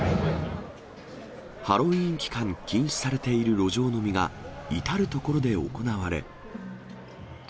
ハロウィーン期間、禁止されている路上飲みが、至る所で行われ。